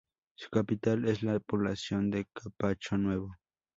Su capital es la población de Capacho Nuevo.